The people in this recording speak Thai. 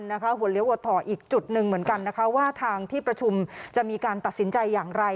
หัวเลี้ยวหัวถ่ออีกจุดหนึ่งเหมือนกันนะคะว่าทางที่ประชุมจะมีการตัดสินใจอย่างไร